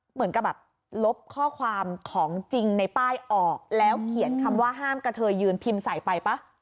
เหมือนกับแบบลบข้อความของจริงในป้ายออกแล้วเขียนคำว่าห้ามกระเทยยืนพิมพ์ใส่ไปป่ะ